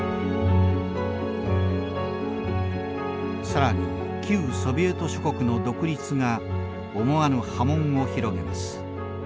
更に旧ソビエト諸国の独立が思わぬ波紋を広げます。